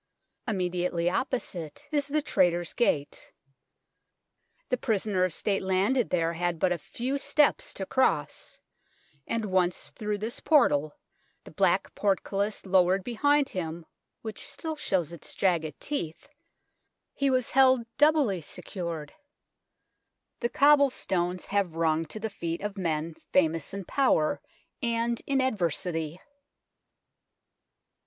Immedi ately opposite is the Traitors' Gate. The prisoner of State landed there had but a few steps to cross, and once through this portal, the black portcullis lowered behind him, which still shows its jagged teeth, he was held doubly secured. The cobble stones have rung to the feet of men famous in power and in adversity.